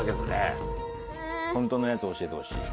ホントのやつ教えてほしい。